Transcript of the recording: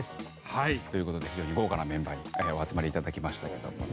はいという事で非常に豪華なメンバーにお集まりいただきましたけどもね。